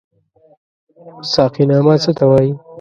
ساقينامه څه ته وايي؟